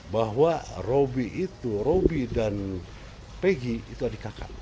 bahwa robby itu roby dan peggy itu adik kakak